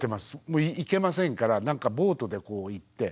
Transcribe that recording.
もう行けませんから何かボートでこう行って。